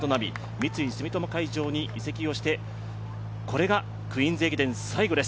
三井住友海上に移籍をして、これがクイーンズ駅伝最後です。